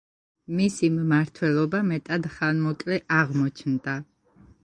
მისი მმართველობა მეტად ხანმოკლე აღმოჩნდა.